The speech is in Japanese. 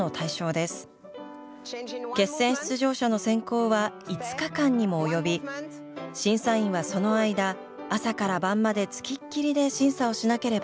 決選出場者の選考は５日間にも及び審査員はその間朝から晩まで付きっきりで審査をしなければなりません。